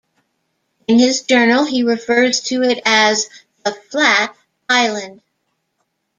In his journal he refers to it as the "Flat Island".